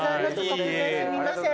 突然すみません。